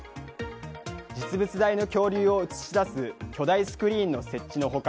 実物大の恐竜を映し出す巨大スクリーンの設置の他